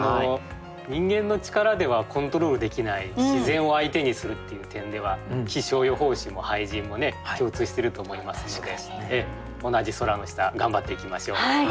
人間の力ではコントロールできない自然を相手にするっていう点では気象予報士も俳人も共通してると思いますので同じ空の下頑張っていきましょう。